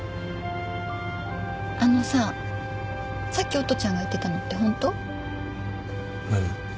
あのささっき音ちゃんが言ってたのってホント？何？